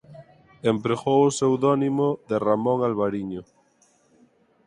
Empregou o pseudónimo de Ramón Alvariño.